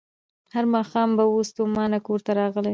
هر ماښام به وو ستومان کورته راغلی